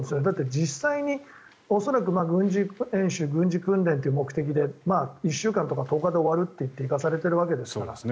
だって実際に恐らく軍事演習、軍事訓練という目的で１週間とか１０日で終わるって行かされているわけですから。